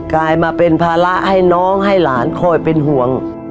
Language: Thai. กลายมาเป็นภาระให้น้องให้หลานคอยเป็นห่วง